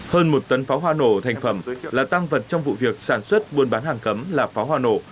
hơn một tấn pháo hoa nổ thành phẩm là tăng vật trong vụ việc sản xuất buôn bán hàng cấm là pháo hoa nổ